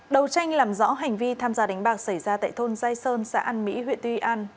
đầu tranh làm rõ hành vi tham gia đánh bạc xảy ra tại thôn giai sơn xã an mỹ huyện tuy an